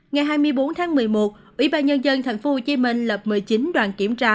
ngày hai mươi bốn tháng một mươi một ủy ban nhân dân thành phố hồ chí minh lập một mươi chín đoàn kiểm tra